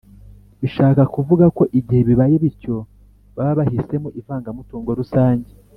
bishaka kuvuga ko igihe bibaye bityo baba bahisemo ivangamutungo rusange.